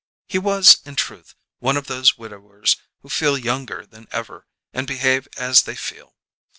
He was, in truth, one of those widowers who feel younger than ever, and behave as they feel.